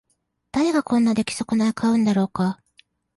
誰がこんな出来損ない買うんだろうか